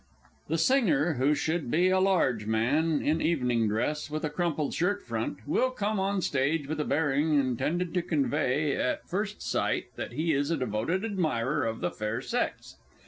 _The singer (who should be a large man, in evening dress, with a crumpled shirt front) will come on the stage with a bearing intended to convey at first sight that he is a devoted admirer of the fair sex.